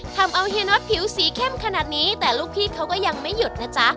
ทำเอาเฮียน็อตผิวสีเข้มขนาดนี้แต่ลูกพี่เขาก็ยังไม่หยุดนะจ๊ะ